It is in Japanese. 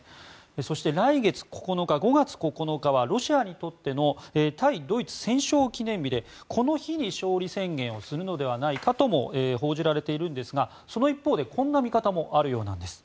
そして、来月９日５月９日はロシアにとっての対ドイツ戦勝記念日でこの日に勝利宣言をするのではないかとも報じられているんですがその一方でこんな見方もあるようです。